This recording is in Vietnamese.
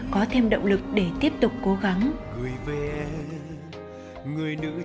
có thêm động lực để tiếp tục cố gắng